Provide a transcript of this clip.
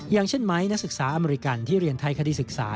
อย่างเช่นไม้นักศึกษาอเมริกันที่เรียนไทยคดีศึกษา